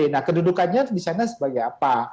nah kedudukannya di sana sebagai apa